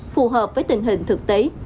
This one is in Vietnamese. phù hợp với tình hình thực tế